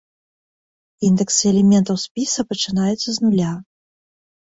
Індэксы элементаў спіса пачынаюцца з нуля.